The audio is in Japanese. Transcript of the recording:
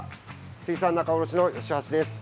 水産仲卸の吉橋です。